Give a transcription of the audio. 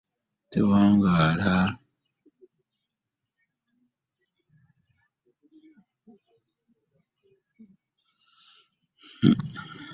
Enjuki bwemala okukuluma tewangaala.